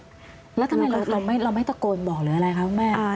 แล้วทำไมเราไม่ตะโกนบอกหรืออะไรคะคุณแม่